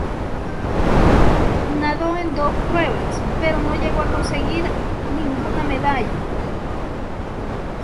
Nadó en dos pruebas, pero no llegó a conseguir ninguna medalla.